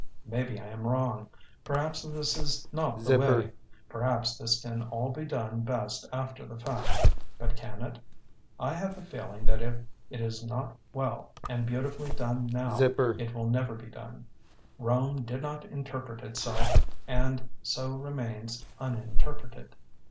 Maybe I am wrong. Per haps this is not the way. Perhaps this can all be done best after the fact. But can it? I have the feeling that if it is not well and beautifully done now it will never be done. Rome did not interpret itself and so remains unin terpreted.